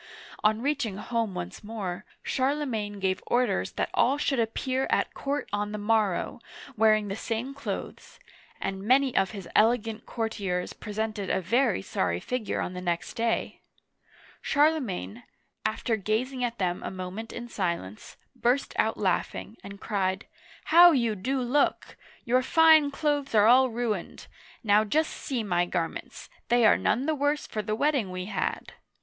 On reaching home once more, Charlemagne gave orders that all should appear at court on the morrow, wearing the same clothes ; and many of his elegant courtiers presented a very sorry figure on the next day ! Charlemagne, after uigiTizea Dy vjiOOQlC 76 OLD FRANCE gazing at them a moment in silence, burst out laughing, and cried :" How you do look ! Your fine clothes are all ruined. Now just see my garments, they are none the worse for the wetting we had